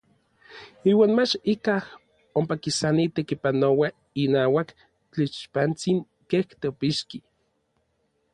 Iuan mach ikaj ompa kisani tekipanoua inauak tlixpantsin kej teopixki.